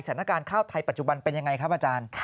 สถานการณ์ข้าวไทยปัจจุบันเป็นยังไงครับอาจารย์